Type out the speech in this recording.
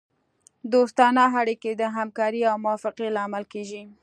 دوستانه اړیکې د همکارۍ او موافقې لامل کیږي